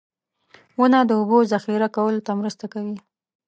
• ونه د اوبو ذخېره کولو ته مرسته کوي.